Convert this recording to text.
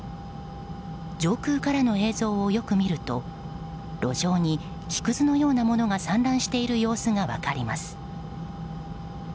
上空からの映像をよく見ると路上に木くずのようなものが散乱している様子が分かります。